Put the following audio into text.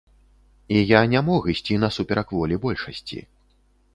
І я не мог ісці насуперак волі большасці.